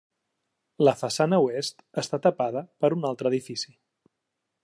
La façana oest està tapada per un altre edifici.